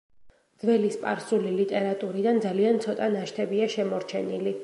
ძველი სპარსული ლიტერატურიდან ძალიან ცოტა ნაშთებია შემორჩენილი.